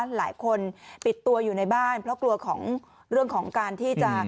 หลายคนปิดตัวอยู่ในบ้านเพราะกลัวของเรื่องของการที่จะ